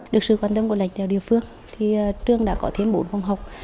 được sự quan tâm của lệnh đều địa phương trường đã có thêm bốn phòng học